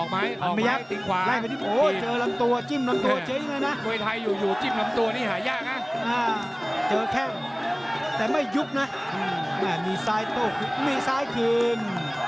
แต่มีซ้ายโต้มีซ้ายคืน